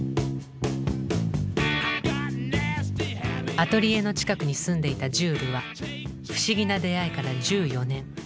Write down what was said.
アトリエの近くに住んでいたジュールは不思議な出会いから１４年。